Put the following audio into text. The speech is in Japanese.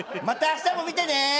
また明日も見てね。